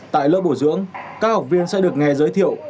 tại lớp bồi dưỡng các học viên sẽ được nghe giới thiệu